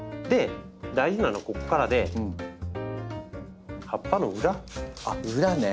大事なのはここからで葉っぱの裏。あっ裏ね。